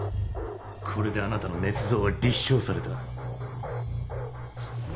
これであなたの捏造は立証された。